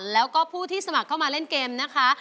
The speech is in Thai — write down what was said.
แล้วก็ผู้ที่สมัครเข้ามาเล่นเกมนะคะ